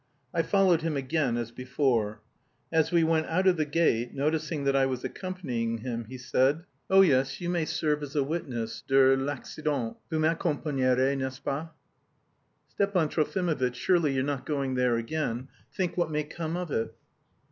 I followed him again, as before. As we went out of the gate, noticing that I was accompanying him, he said: "Oh yes, you may serve as a witness..._de l'accident. Vous m'accompagnerez, n'est ce pas?_" "Stepan Trofimovitch, surely you're not going there again? Think what may come of it!"